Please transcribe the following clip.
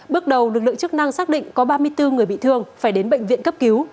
bước đầu lực lượng chức năng xác định có ba mươi bốn người bị thương phải đến bệnh viện cấp cứu